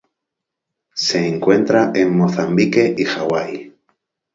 Se encuentra en Mozambique y Hawai.